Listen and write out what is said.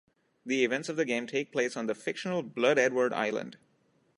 The events of the game take place on the fictional Blood Edward Island.